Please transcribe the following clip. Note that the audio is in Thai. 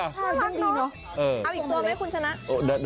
เอาอีกตัวไหมคุณชนะ